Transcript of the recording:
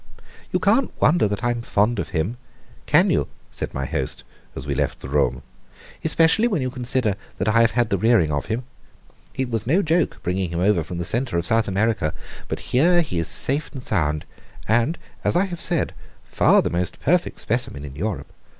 "You can't wonder that I am fond of him, can you?" said my host, as we left the room, "especially when you consider that I have had the rearing of him. It was no joke bringing him over from the centre of South America; but here he is safe and sound and, as I have said, far the most perfect specimen in Europe.